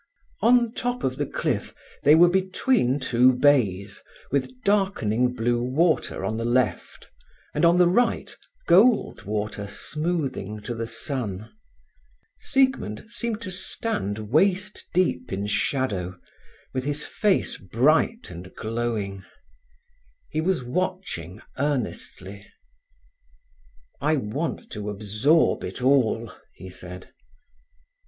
On the top of the cliff they were between two bays, with darkening blue water on the left, and on the right gold water smoothing to the sun. Siegmund seemed to stand waist deep in shadow, with his face bright and glowing. He was watching earnestly. "I want to absorb it all," he said.